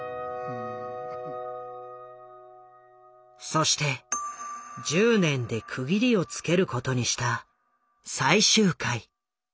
そして１０年で区切りをつけることにした最終回。